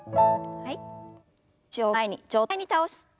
はい。